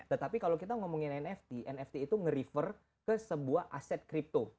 tetapi kalau kita ngomongin nft nft itu nge refer ke sebuah aset kripto